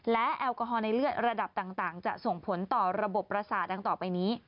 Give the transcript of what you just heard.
และแอลกอฮอลในเลือดระดับต่างจะส่งผลต่อระบบประสาทดังต่อไปนี้